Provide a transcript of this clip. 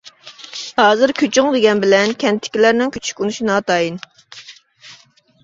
ھازىر كۆچۈڭ دېگەن بىلەن كەنتتىكىلەرنىڭ كۆچۈشكە ئۇنىشى ناتايىن.